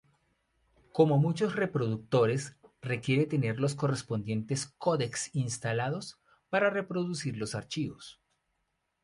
Como muchos reproductores, requiere tener los correspondientes codecs instalados para reproducir los archivos.